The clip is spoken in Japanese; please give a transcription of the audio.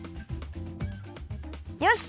よし！